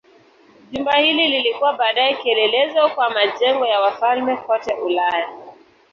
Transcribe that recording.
Jumba hili lilikuwa baadaye kielelezo kwa majengo ya wafalme kote Ulaya.